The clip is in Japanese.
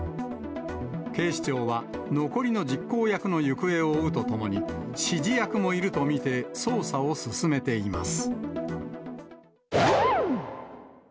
警視庁は、残りの実行役の行方を追うとともに、指示役もいると見て、捜査を進めています。